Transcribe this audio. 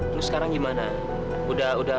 terus sekarang gimana